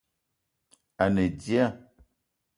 A ne dia